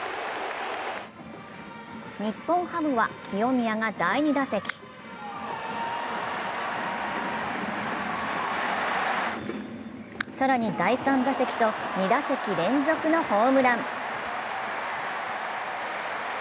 日本ハムは、清宮が第２打席更に第３打席と２打席連続のホームラン。